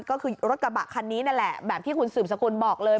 ก็คือรถกระบะคันนี้นั่นแหละแบบที่คุณสืบสกุลบอกเลย